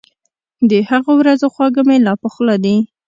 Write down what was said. د هغو ورځو خواږه مي لا په خوله دي